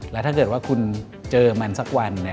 แล้วถ้าเกิดว่าคุณเจอมันสักวัน